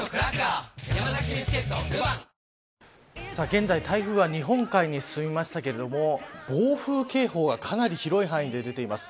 現在、台風は日本海に進みましたけれど暴風警報がかなり広い範囲で出ています。